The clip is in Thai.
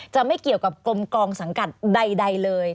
จะไม่เกี่ยวกับกลมกองสังกัดใดเลย